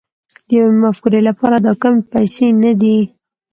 د يوې مفکورې لپاره دا کمې پيسې نه دي.